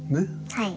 はい。